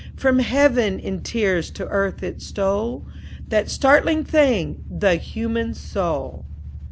From heaven in tears to earth it stole That startling thing, the human soul."